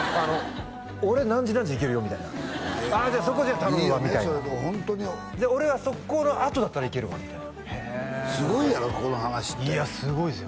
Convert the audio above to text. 俺何時何時行けるよみたいなああじゃあそこ頼むわみたいなじゃあ俺はそこのあとだったら行けるわみたいなすごいやろこの話っていやすごいですよ